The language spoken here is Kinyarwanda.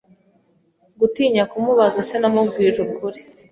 Gutinya kumubabaza, sinamubwije ukuri.